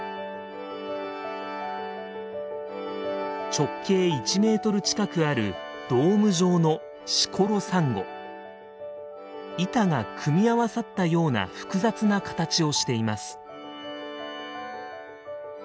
直径１メートル近くあるドーム状の板が組み合わさったような複雑な形をしています。